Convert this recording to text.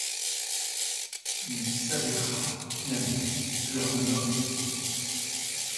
Il s'avérera finalement que la rumeur était fausse.